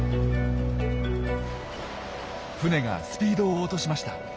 船がスピードを落としました。